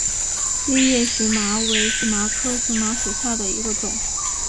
裂叶荨麻为荨麻科荨麻属下的一个种。